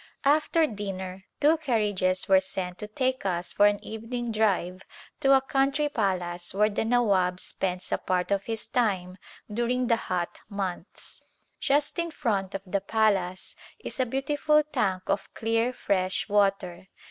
After dinner two carriages were sent to take us for A Glimpse of India an evening drive to a country palace where the Navvab spends a part of his time during the hot months. Just in front of the palace is a beautiful tank of clear, fresh water.